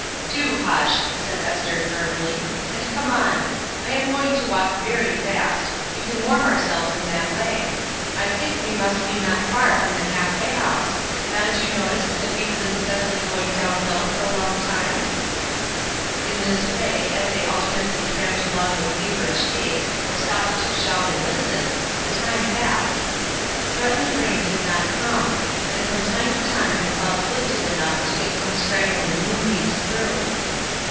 "Do hush!" said Esther, firmly. "And come on. I am going to walk very fast; we can warm ourselves in that way. I think we must be not far from the Half way House. Haven't you noticed that we have been steadily going down hill for a long time?" In this way, as they alternately tramped along with feverish haste, or stopped to shout and listen, the time passed. The threatened rain did not come, and from time to time the 168 ESTER RIED'S NAMESAKE clouds lifted enough to let some straggling moonbeams through.